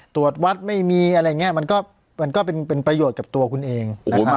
ตรวจวัดไม่มีอะไรอย่างนี้มันก็เป็นประโยชน์กับตัวคุณเองนะครับ